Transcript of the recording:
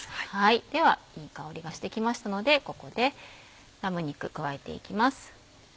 ではいい香りがしてきましたのでここでラム肉加えていきます。